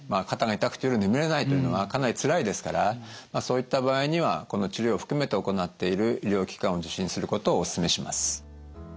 肩が痛くて夜眠れないというのはかなりつらいですからそういった場合にはこの治療を含めて行っている医療機関を受診することをお勧めします。